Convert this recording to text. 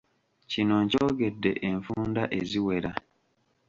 Kino nkyogedde enfunda eziwera